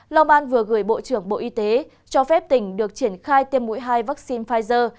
long an vừa gửi bộ trưởng bộ y tế cho phép tỉnh được triển khai tiêm mũi hai vaccine pfizer